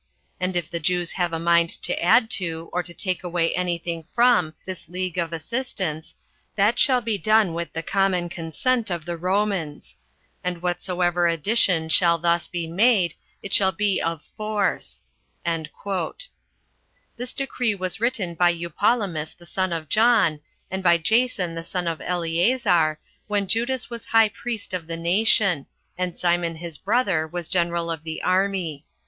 And if the Jews have a mind to add to, or to take away any thing from, this league of assistance, that shall be done with the common consent of the Romans. And whatsoever addition shall thus be made, it shall be of force." This decree was written by Eupolemus the son of John, and by Jason the son of Eleazar, 28 when Judas was high priest of the nation, and Simon his brother was general of the army.